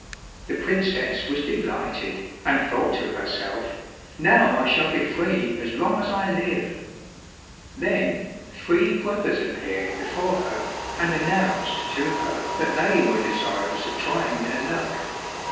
The princess was delighted, and thought to herself, "Now I shall be free as long as I live." Then three brothers appeared before her, and announced to her that they were desirous of trying their luck.